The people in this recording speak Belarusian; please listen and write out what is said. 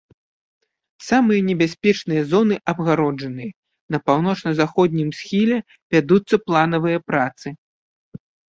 Самыя небяспечныя зоны абгароджаныя, на паўночна-заходнім схіле вядуцца планавыя працы.